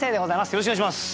よろしくお願いします。